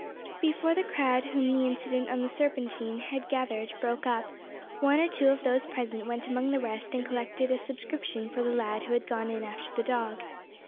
Before the crowd whom the incident on the Serpentine had gathered broke up, one or two of those present went among the rest and collected a subscription for the lad who had gone in after the dog.